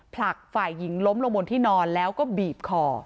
ผลักฝ่ายหญิงล้มลงบนที่นอนแล้วก็บีบคอ